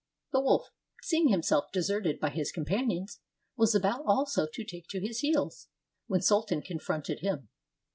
The wolf, seeing himself deserted by his companions, was about also to take to his heels, when Sultan confronted him.